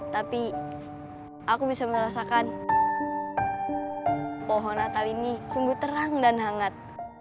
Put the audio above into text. tapi aku bisa merasakan pohon natal ini sungguh terang dan hangat